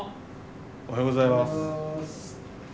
おはようございます。